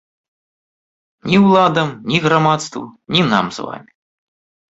Ні ўладам, ні грамадству, ні нам з вамі.